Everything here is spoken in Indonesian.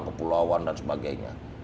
kepulauan dan sebagainya